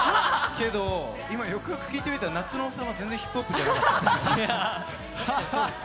今、よくよく聴いてみたら「夏の王様」全然ヒップホップじゃなかった。